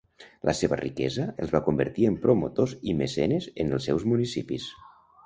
La seva riquesa els va convertir en promotors i mecenes en els seus municipis.